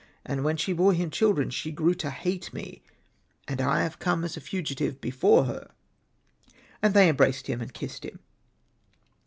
And when she bore children, she grew to hate me, and I have come as a fugitive from before her." And they em braced him, and kissed him.